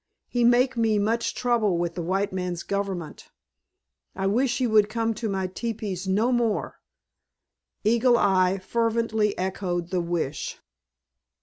He make me much trouble with the white man's government. I wish he would come to my teepees no more." Eagle Eye fervently echoed the wish.